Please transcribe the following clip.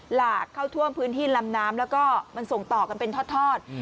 หลากเข้าท่วมพื้นที่ลำน้ำแล้วก็มันส่งต่อกันเป็นทอด